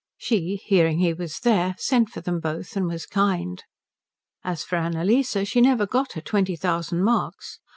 She, hearing he was there, sent for them both and was kind. As for Annalise, she never got her twenty thousand marks.